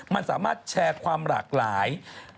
มันสามารถแชร์ความหลากหลาย